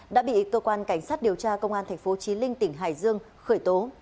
đã bị cơ quan cảnh sát điều tra công an tp chí linh tỉnh hải dương khởi tố